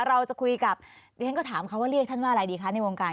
เราจะคุยกับดิฉันก็ถามเขาว่าเรียกท่านว่าอะไรดีคะในวงการ